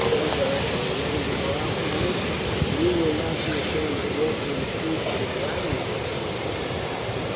Well, Beric, are you ready to go out with me?" "You will not be ashamed to walk through the streets with a gladiator, Pollio?"